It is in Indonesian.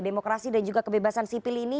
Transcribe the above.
demokrasi dan juga kebebasan sipil ini